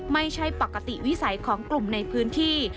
ไม่ใช่ปกติวิสัยของกลุ่มในพื้นที่